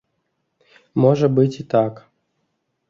Можа быць і так.